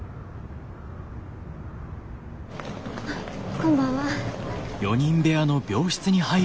こんばんは。